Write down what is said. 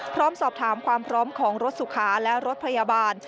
พร้อมสอบถามความพร้อมของรถสุขาและรถพยาบาล